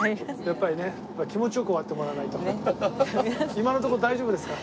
今のところ大丈夫ですか？